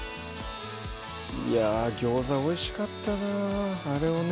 いや餃子おいしかったなあれをね